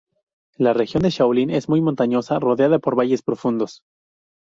La región de Shaolin es muy montañosa, rodeada por valles profundos.